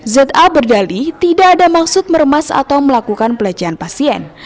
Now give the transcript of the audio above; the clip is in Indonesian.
za berdalih tidak ada maksud meremas atau melakukan pelecehan pasien